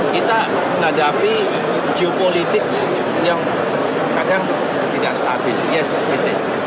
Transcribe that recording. kita menghadapi geopolitik yang kadang tidak stabil yes kritis